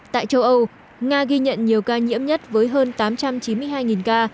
tại châu âu nga ghi nhận nhiều ca nhiễm nhất với hơn tám trăm chín mươi hai ca